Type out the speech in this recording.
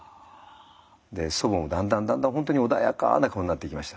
祖母もだんだんだんだん本当に穏やかな顔になっていきました。